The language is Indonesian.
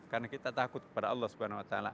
karena kita takut kepada allah swt